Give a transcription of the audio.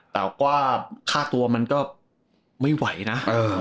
แต่ว่าค่าตัวมันก็ไม่ไหวนะ